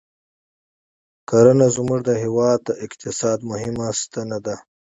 کرنه زموږ د هېواد د اقتصاد مهمه ستنه ده